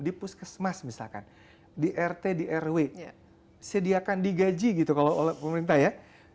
di puskesmas misalkan di rt di rw sediakan digaji gitu kalau oleh pemerintah ya